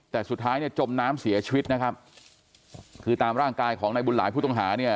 แต่สุดท้ายเนี่ยจมน้ำเสียชีวิตนะครับคือตามร่างกายของนายบุญหลายผู้ต้องหาเนี่ย